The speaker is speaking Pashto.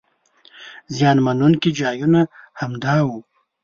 زیان مننونکي ځایونه همدا وو.